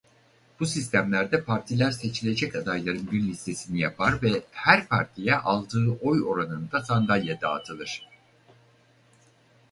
Bu sistemlerde partiler seçilecek adayların bir listesini yapar ve her partiye aldığı oy oranında sandalye dağıtılır.